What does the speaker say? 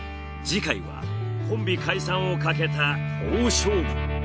次回はコンビ解散をかけた大勝負。